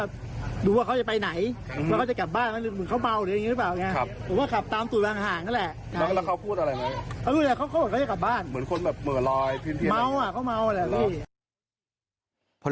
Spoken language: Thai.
เขาดูแหละเขาเหมือนเขาจะกลับบ้าน